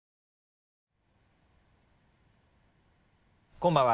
こんばんは。